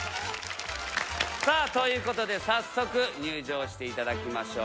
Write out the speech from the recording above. さあということで早速入場していただきましょう。